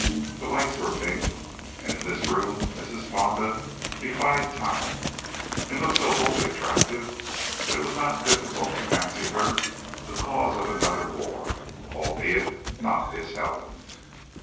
The lights were pink, and in this room Mrs. Fonda defied Time and looked so wholly attractive that it was not difficult to fancy her the cause of another war, albeit not its Helen.